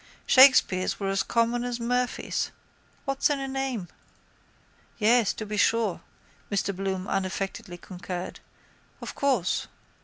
Shakespeares were as common as Murphies. What's in a name? —Yes, to be sure, Mr Bloom unaffectedly concurred. Of course.